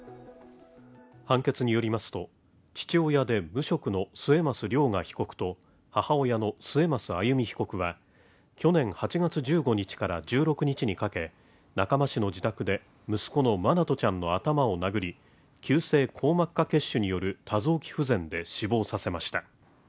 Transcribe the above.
判決によりますと、父親で無職の末益涼雅被告と母親の末益歩被告は去年８月１５日から１６日にかけ、中間市の自宅で息子の愛翔ちゃんの頭を殴り急性硬膜下血腫による多臓器不全で死亡させました。